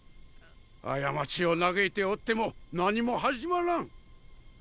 過ちを嘆いておっても何も始まらん。